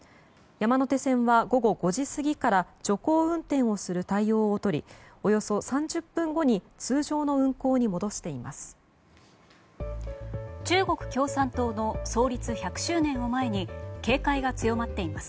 山手線は午後５時過ぎから徐行運転をする対応をとりおよそ３０分後に通常の運行に戻しています。